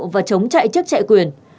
và chống chạy chức chạy quyền